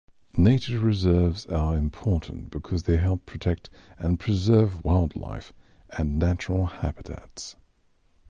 Nature reserves are important because they help protect and preserve wildlife and natural habitats.